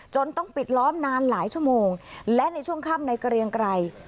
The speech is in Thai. ต้องปิดล้อมนานหลายชั่วโมงและในช่วงค่ำในเกรียงไกร